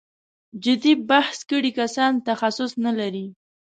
جدي بحث کړی کسان تخصص نه لري.